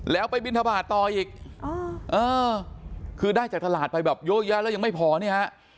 แล้วไปบินทบาทต่ออีกคือได้จากตลาดไปแบบเยอะแยะแล้วยังไม่พอเนี่ยฮะ